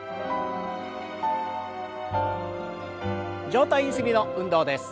上体ゆすりの運動です。